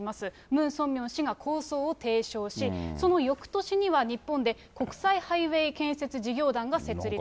ムン・ソンミョン氏が構想を提唱し、そのよくとしには日本で国際ハイウェイ建設事業団が設立。